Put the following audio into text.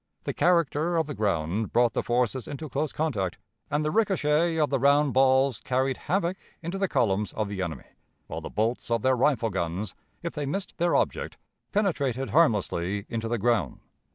The character of the ground brought the forces into close contact, and the ricochet of the round balls carried havoc into the columns of the enemy, while the bolts of their rifle guns, if they missed their object, penetrated harmlessly into the ground.